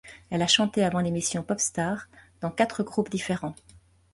Elle a chanté avant l'émission Popstars dans quatre groupes différents.